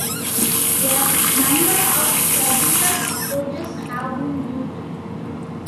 A number of surgical approaches have been used.